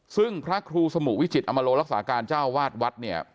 ซึ่งพระครูสมุวิจิตรอมโลรักษาการเจ้าวาดวัดเนี่ย